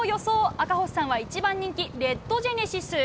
赤星さんは、１番人気レッドジェネシス。